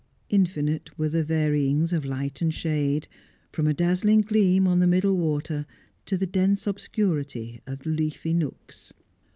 Infinite were the varyings of light and shade, from a dazzling gleam on the middle water, to the dense obscurity of leafy nooks.